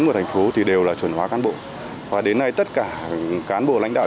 của thành phố thì đều là chuẩn hóa cán bộ và đến nay tất cả cán bộ lãnh đạo